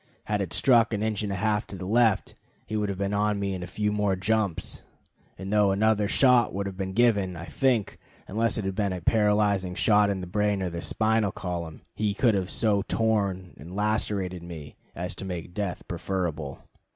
Had it struck an inch and a half to the left, he would have been on me in a few more jumps; and though another shot would have been given, I think, unless it had been a paralyzing shot in the brain or spinal column, he could have so torn and lacerated me as to make death preferable.